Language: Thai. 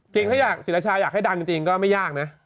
จริงสิราชาอยากให้ดังจริงก็ไม่ยากนะ